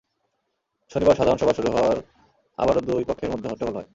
শনিবার সাধারণ সভা শুরু হওয়ার আবারও দুই পক্ষের মধ্যে হট্টগোল হয়।